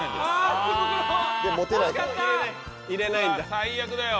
最悪だよ。